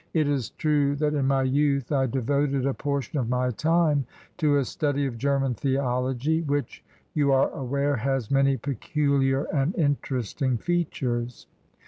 It is true that in my youth I devoted a portion of my time to a study of German theology, which, you are aware, has many peculiar and interesting features.